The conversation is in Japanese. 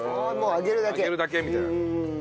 揚げるだけみたいな。